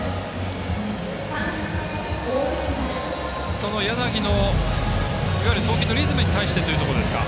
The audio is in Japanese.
その柳のいわゆる投球のリズムに対してというところですか。